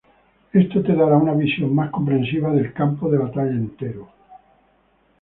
Esto te dará una visión más comprensiva del campo de batalla entero.